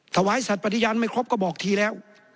ถวายสัตว์ปฏิญาณไม่ครบก็บอกทีแล้ว